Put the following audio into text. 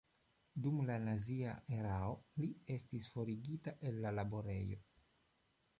Dum la nazia erao li estis forigita el la laborejo.